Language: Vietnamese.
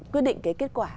quyết định cái kết quả